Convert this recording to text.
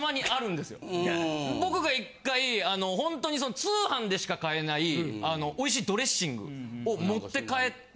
僕が一回ほんとに通販でしか買えない美味しいドレッシングを持って帰って。